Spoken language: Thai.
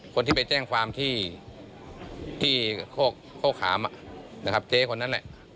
คนที่ไปแจ้งความที่โคกขามนะครับเจ๊คนนั้นแหละ